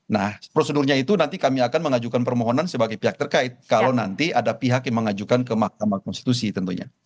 nah prosedurnya itu nanti kami akan mengajukan permohonan sebagai pihak terkait kalau nanti ada pihak yang mengajukan ke mahkamah konstitusi tentunya